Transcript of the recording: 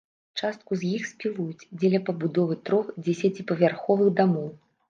Частку з іх спілуюць дзеля пабудовы трох дзесяціпавярховых дамоў.